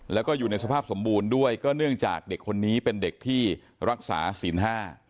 แล้วก็อยู่ในสภาพสมบูรณ์ด้วยก็เนื่องจากเด็กคนนี้เป็นเด็กที่รักษาศีลห้า